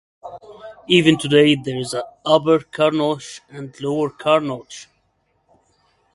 Even today there is Upper Carnoch and Lower Carnoch.